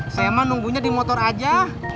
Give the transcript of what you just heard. saya emang nunggunya di motor aja